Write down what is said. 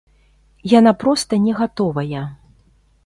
Яна проста не гатовая.